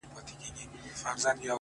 • ماسومان زموږ وېريږي ورځ تېرېږي؛